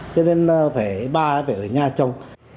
cho nên ba nó phải ở nhà trông